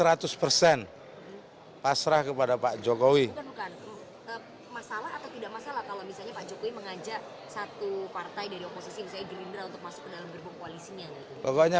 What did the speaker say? apakah masalah atau tidak masalah kalau misalnya pak jokowi mengajak satu partai dari oposisi misalnya gerindra untuk masuk ke dalam gerbong koalisinya